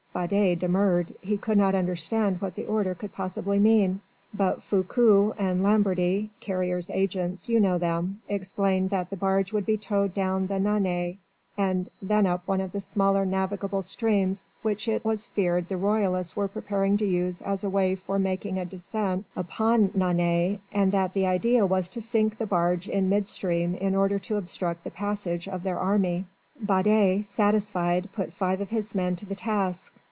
Baudet demurred: he could not understand what the order could possibly mean. But Foucaud and Lamberty Carrier's agents you know them explained that the barge would be towed down the Loire and then up one of the smaller navigable streams which it was feared the royalists were preparing to use as a way for making a descent upon Nantes, and that the idea was to sink the barge in midstream in order to obstruct the passage of their army. Baudet, satisfied, put five of his men to the task.